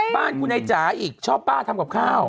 บ้านคุณไอ้จ๋าอีกชอบป้าทำกับข้าว